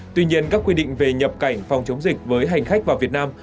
tuy nhiên các quy định về nhập cảnh phòng chống dịch với hành khách vào việt nam